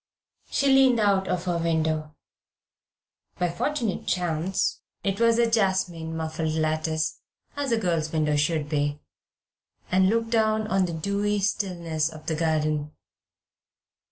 She leaned out of her window. By fortunate chance it was a jasmine muffled lattice, as a girl's window should be, and looked down on the dewy stillness of the garden.